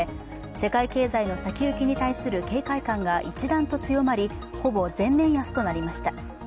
世界経済の先行きに対する警戒感が一段と強まり、ほぼ全面安となりました。